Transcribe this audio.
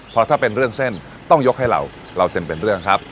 เพราะถ้าเป็นเรื่องเส้นต้องยกให้เราเราเซ็นเป็นเรื่องครับ